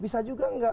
bisa juga enggak